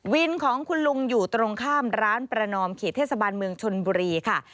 วินของคุณลุงอยู่ตรงข้ามร้านประนอมเขตเทศบาลเมืองชนบุรีค่ะ